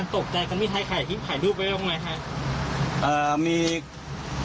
ตกใจที่ไม่ได้ให้ไขขายรูปไว้บ้างมากมายฮะ